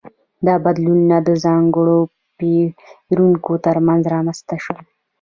دا بدلونونه د ځانګړو پیړیو ترمنځ رامنځته شول.